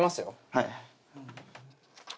はい。